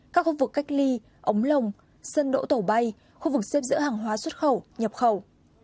các khu vực cách ly ống lồng sân đỗ tổ bay khu vực xếp dỡ hàng hóa xuất khẩu nhập khẩu